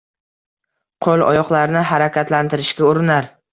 Qo‘l-oyoqlarini harakatlantirishga urinar